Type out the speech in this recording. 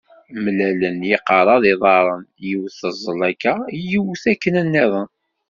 Mlalen yiqerra d yiḍarren yiwet teẓẓel aka, yiwet akken nniḍen.